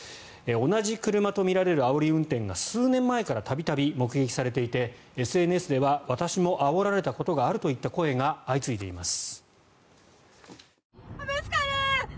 同じ車とみられるあおり運転が数年前から度々、目撃されていてＳＮＳでは私もあおられたことがあるといった声が相次いでいます。